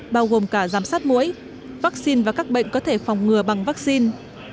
bao gồm cả giám sát mũi vaccine và các bệnh có thể phòng ngừa bằng vaccine